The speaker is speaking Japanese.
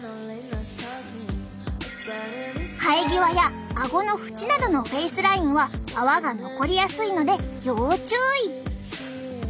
生え際やあごの縁などのフェイスラインは泡が残りやすいので要注意。